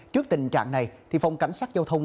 trước tình trạng này thì phòng cảnh sát giao thông